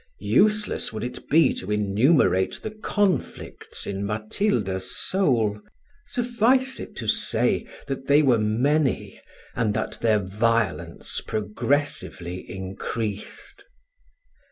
Useless would it be to enumerate the conflicts in Matilda's soul: suffice it to say, that they were many, and that their violence progressively increased.